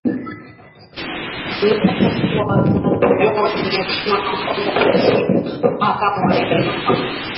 Ninataka kua wazi na kila mtu kwamba hiyo si mahakama yetu